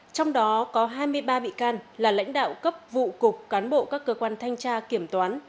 trong đó có hai mươi ba bị can là lãnh đạo cấp vụ cục cán bộ các cơ quan thanh tra kiểm toán